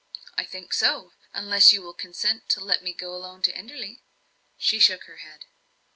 "I think so, unless you will consent to let me go alone to Enderley." She shook her head.